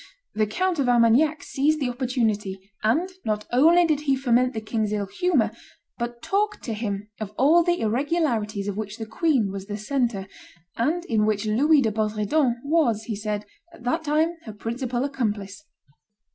The Count of Armagnac seized the opportunity; and not only did he foment the king's ill humor, but talked to him of all the irregularities of which the queen was the centre, and in which Louis de Bosredon was, he said, at that time her principal accomplice.